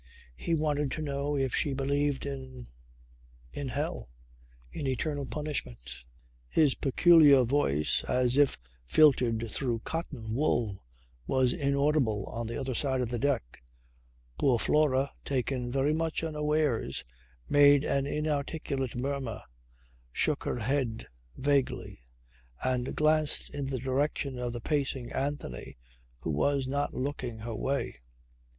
He wanted to know if she believed in in hell. In eternal punishment? His peculiar voice, as if filtered through cotton wool was inaudible on the other side of the deck. Poor Flora, taken very much unawares, made an inarticulate murmur, shook her head vaguely, and glanced in the direction of the pacing Anthony who was not looking her way.